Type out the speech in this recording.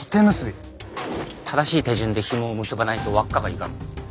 正しい手順でひもを結ばないと輪っかがゆがむ。